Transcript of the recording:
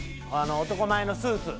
男前のスーツ。